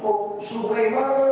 mau sungai mana